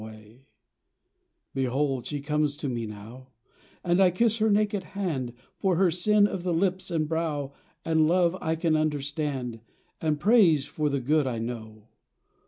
51 A MEMORY Behold she comes to me now And I kiss her naked hand, For her sin of the lips and brow And love I can understand And praise for the good I know.